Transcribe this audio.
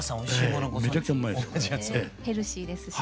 ヘルシーですし。